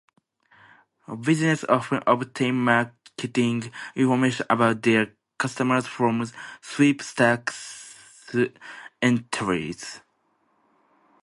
Businesses often obtain marketing information about their customers from sweepstakes entries.